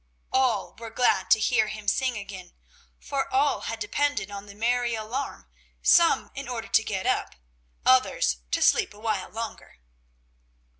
All were glad to hear him sing again, for all had depended on the merry alarm, some in order to get up, others to sleep a while longer.